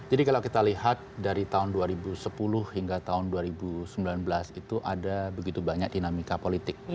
kalau kita lihat dari tahun dua ribu sepuluh hingga tahun dua ribu sembilan belas itu ada begitu banyak dinamika politik